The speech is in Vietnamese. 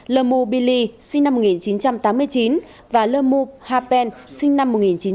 lâm mù bì lì sinh năm một nghìn chín trăm tám mươi chín và lâm mù hà pen sinh năm một nghìn chín trăm chín mươi ba